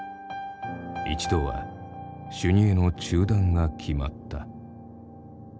一度は修二会の中断が決まった。